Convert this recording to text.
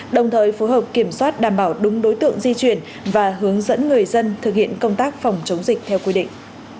đồng thời phối hợp kiểm soát đảm bảo đúng đối tượng di chuyển và hướng dẫn người dân thực hiện công tác phòng chống dịch theo quy định